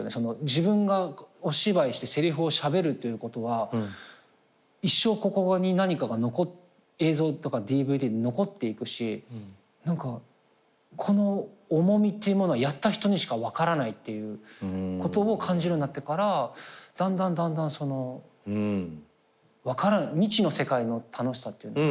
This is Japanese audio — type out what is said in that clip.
自分がお芝居してせりふをしゃべるということは一生ここに何かが映像とかＤＶＤで残っていくしこの重みっていうものはやった人にしか分からないっていうことを感じるようになってからだんだんだんだん未知の世界の楽しさっていうのが。